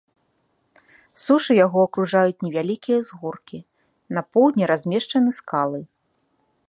З сушы яго акружаюць невялікія ўзгоркі, на поўдні размешчаны скалы.